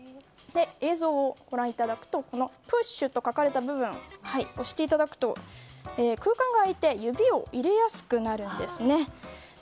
映像をご覧いただくと「ＰＵＳＨ」と書かれた部分を押していただくと空間が開いて指を入れやすくなるんです。